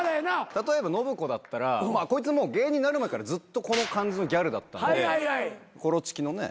例えば信子だったらこいつもう芸人になる前からずっとこの感じのギャルだったんでコロチキのね。